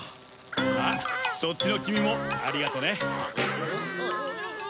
あっそっちのキミもありがとね。